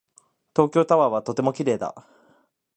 東京タワーはとても綺麗だ。